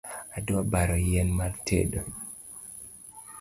Adwa baro yien mar tedo